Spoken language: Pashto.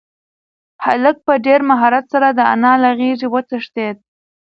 هلک په ډېر مهارت سره د انا له غېږې وتښتېد.